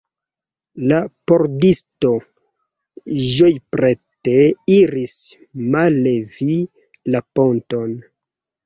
La pordisto ĝojprete iris mallevi la ponton.